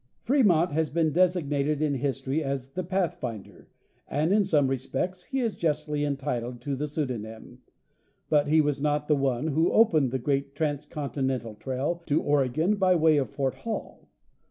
Frémont has been designated in history as "the Path finder," and in some respects he is justly entitled to the pseudonym, but he was not the one who opened the great transcontinental trail to Oregon by way of Fort Hall.